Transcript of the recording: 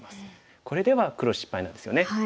これでは黒失敗なんですよね。